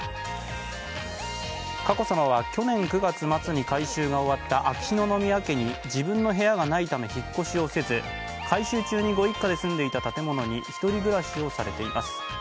佳子さまは、去年９月末に改修が終わった秋篠宮家に自分の部屋がないため引っ越しをせず改修中にご一家で住んでいた建物に１人暮らしをされています。